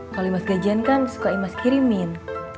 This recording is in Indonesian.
kalau ibas gajian kan suka ibas kirimin